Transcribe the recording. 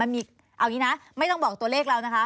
มีเอาอย่างนี้นะไม่ต้องบอกตัวเลขเรานะคะ